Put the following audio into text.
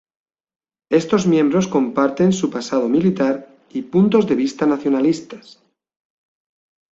Estos miembros comparten su pasado militar y puntos de vista nacionalistas.